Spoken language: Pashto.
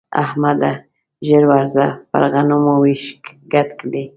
احمده! ژر ورځه پر غنمو وېش ګډ دی.